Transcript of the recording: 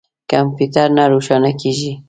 کمپیوټر نه روښانه کیږي